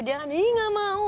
dia kan ih nggak mau